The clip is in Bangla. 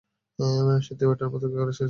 সত্যিই ওয়েটারে মতো করে সেজেছি?